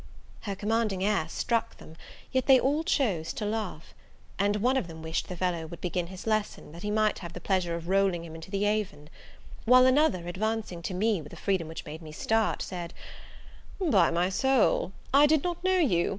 Her commanding air struck them, yet they all chose to laugh; and one of them wished the fellow would begin his lesson, that he might have the pleasure of rolling him into the Avon; while another, advancing to me with a freedom which made me start, said, "By my soul, I did not know you!